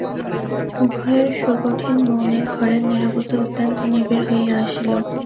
উভয়ের সুকঠিন মৌনে ঘরের নীরবতা অত্যন্ত নিবিড় হইয়া আসিল।